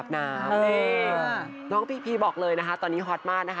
นี่น้องพีพีบอกเลยนะคะตอนนี้ฮอตมากนะคะ